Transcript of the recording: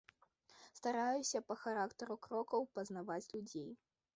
Стараюся па характару крокаў пазнаваць людзей.